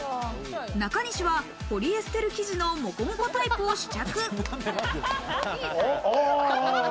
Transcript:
中西はポリエステル生地のモコモコタイプを試着。